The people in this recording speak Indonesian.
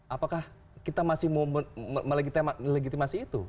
apakah kita masih mau melegitimasi itu